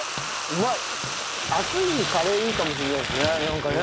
暑い日にカレーいいかもしれないですねなんかね。